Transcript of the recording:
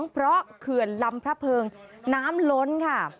เพราะเขื่อนลำพระเพิงน้ำล้นค่ะ